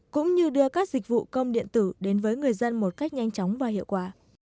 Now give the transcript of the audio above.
cũng như đưa các dịch vụ công điện tử đến với người dân một cách nhanh chóng và hiệu quả